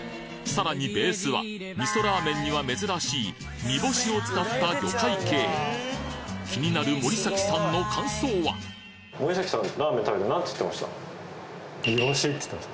さらにベースは味噌ラーメンには珍しい煮干しを使った魚介系気になる森崎さんの感想は？っつってました。